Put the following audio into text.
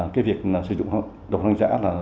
cái việc sử dụng đồng hành giã